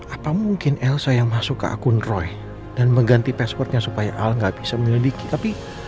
apa mungkin elsa yang masuk ke akun roy dan mengganti passwordnya supaya al nggak bisa menyelidiki tapi